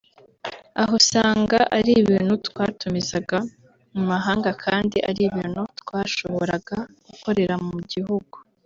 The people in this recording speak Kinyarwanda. aho usanga ari ibintu twatumizaga mu mahanga kandi ari ibintu twashoboraga gukorera mu gihugu